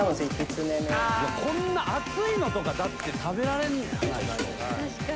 こんな熱いのとかだって食べられないだろ